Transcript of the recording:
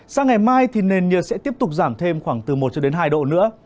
sáng ngày mai nền nhiệt sẽ tiếp tục giảm thêm khoảng từ một hai độ nữa